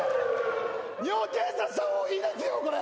尿検査した方がいいですよこれ！